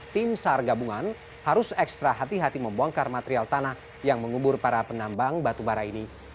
tim sar gabungan harus ekstra hati hati membongkar material tanah yang mengubur para penambang batubara ini